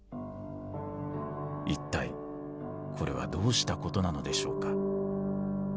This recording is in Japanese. いったいこれはどうしたことなのでしょうか。